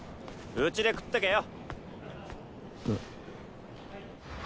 うちで食ってけよ。